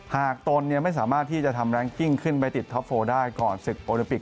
ตนไม่สามารถที่จะทำแรงกิ้งขึ้นไปติดท็อปโฟลได้ก่อนศึกโอลิปิก